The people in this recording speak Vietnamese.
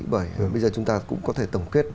bởi bây giờ chúng ta cũng có thể tổng kết